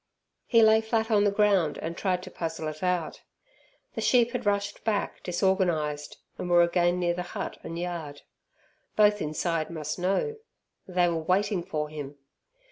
He lay flat on the ground and tried to puzzle it out. The sheep had rushed back disorganized and were again near the hut and yard. Both inside must know. They were waiting for him.